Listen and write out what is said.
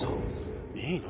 いいの？